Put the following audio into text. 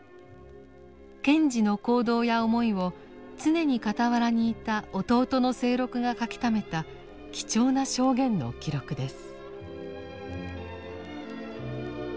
賢治の行動や思いを常に傍らにいた弟の清六が書きためた貴重な証言の記録です。